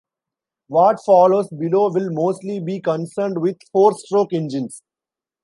What follows below will mostly be concerned with four-stroke engines.